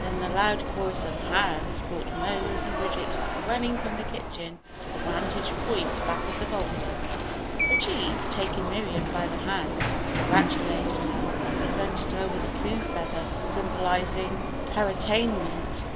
Then the loud chorus of "hows" brought Mose and Bridget running from the kitchen to the vantage point back of the boulder. The Chief, taking Miriam by the hand, congratulated her and presented her with the coup feather symbolising her attainment.